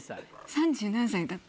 ３０何歳だった。